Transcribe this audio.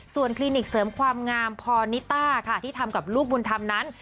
ส่วนคลินิกเสริมความงามพอนิต้าค่ะที่ทำกับลูกบุญธรรมนั้น